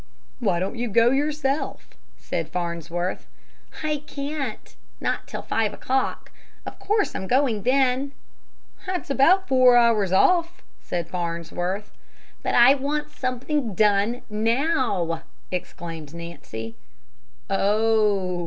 "Why don't you go yourself?" said Farnsworth. "I can't, not till five o'clock. Of course I'm going then!" "That's about four hours off," said Farnsworth. "But I want something done now!" exclaimed Nancy. "Oh!"